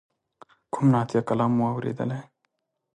کوم نعتیه کلام مو اوریدلی.